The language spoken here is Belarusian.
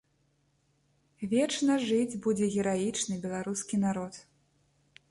Вечна жыць будзе гераічны беларускі народ.